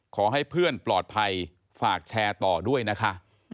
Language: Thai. ขอให้เพื่อนปลอดภัยฝากแชร์ต่อด้วยนะคะ